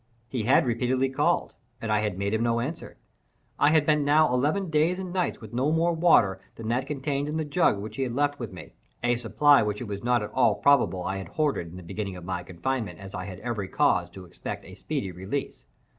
He had repeatedly called, and I had made him no answer. I had been now eleven days and nights with no more water than that contained in the jug which he had left with me—a supply which it was not at all probable I had hoarded in the beginning of my confinement, as I had every cause to expect a speedy release.